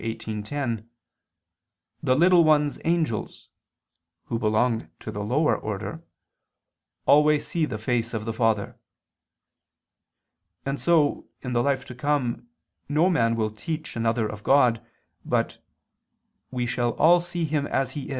18:10, "the little ones' angels," who belong to the lower order, "always see the face of the Father"; and so, in the life to come, no man will teach another of God, but "we shall" all "see Him as He is" (1 John 3:2).